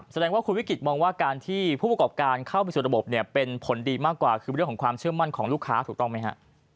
แสดงว่าคุณวิกฤตมองว่าการที่ผู้ประกอบการเข้าไปสู่ระบบเนี่ยเป็นผลดีมากกว่าคือเรื่องของความเชื่อมั่นของลูกค้าถูกต้องไหมฮะ